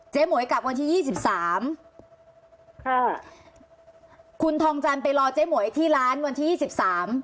หมวยกลับวันที่ยี่สิบสามค่ะคุณทองจันทร์ไปรอเจ๊หมวยที่ร้านวันที่ยี่สิบสาม